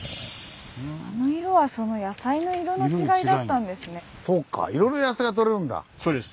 あの色はその野菜の色の違いだったんですね。